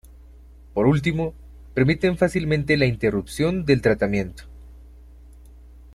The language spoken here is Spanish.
Por último, permiten fácilmente la interrupción del tratamiento.